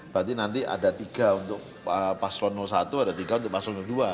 berarti nanti ada tiga untuk paslon satu ada tiga untuk paslon dua